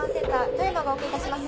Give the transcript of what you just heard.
富山がお受けいたします。